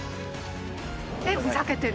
えっ、ふざけてる。